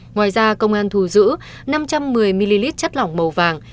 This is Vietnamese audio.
ngoài ra công an thù giữ năm trăm một mươi ml chất lỏng màu vàng